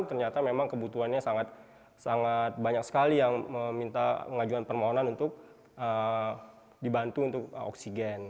ternyata memang kebutuhannya sangat banyak sekali yang meminta pengajuan permohonan untuk dibantu untuk oksigen